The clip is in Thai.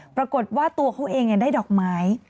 ปรากฏว่าตัวเขาเองได้ดอกไม้